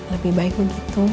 lebih baik begitu